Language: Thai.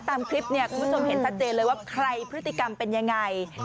ตามคลิปเนี่ยคุณผู้ชมเห็นชัดเจนเลยว่าใครพฤติกรรมเป็นยังไง